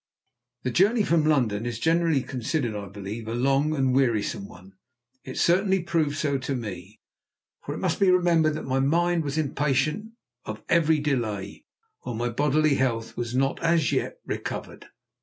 The journey from London is generally considered, I believe, a long and wearisome one; it certainly proved so to me, for it must be remembered that my mind was impatient of every delay, while my bodily health was not as yet recovered.